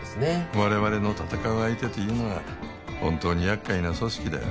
我々の戦う相手というのは本当に厄介な組織だよ